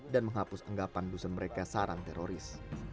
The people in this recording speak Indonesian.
dan menghapus anggapan dusun mereka sarang teroris